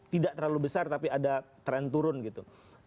tidak terlalu besar tapi ada tren turun gitu